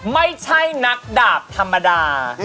ไม่ใช่นักดาบธรรมดา